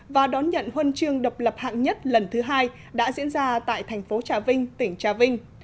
và đón nhận huân chương độc lập hạng nhất lần thứ hai đã diễn ra tại thành phố trà vinh tỉnh trà vinh